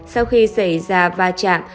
sau khi xảy ra va chạm